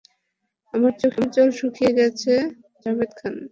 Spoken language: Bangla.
আমার চোখের জল শুকিয়ে গেছে, জাভেদ খান।